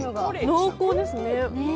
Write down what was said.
濃厚ですね。